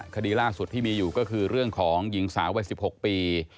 คดีล่าสุดที่มีอยู่ก็คือเรื่องของหญิงสาววัย๑๖ปี